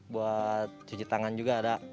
buat cuci tangan juga ada